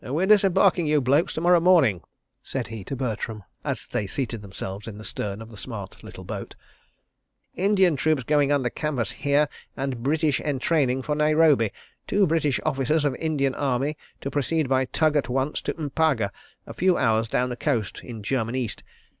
"We're disembarking you blokes to morrow morning," said he to Bertram, as they seated themselves in the stern of the smart little boat. "Indian troops going under canvas here, and British entraining for Nairobi. Two British officers of Indian Army to proceed by tug at once to M'paga, a few hours down the coast, in German East.